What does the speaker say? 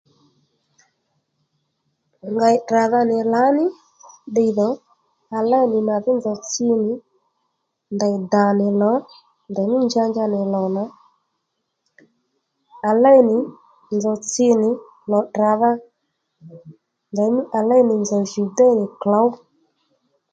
Ngèy tdràdha nì lǎní ddiydho à léy nì màdhí nzòw tsi nì ndèy dà nì lò ndèymí njanja nì lò nà à léy nì nzòw tsi nì ngèy tdradha ndèy mí à léy nì nzòw jùw déy nì klǒw